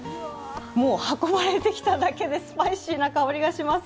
もう運ばれてきただけでスパイシーな香りがします。